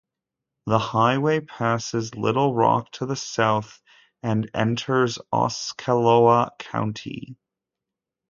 The highway passes Little Rock to the south and enters Osceola County.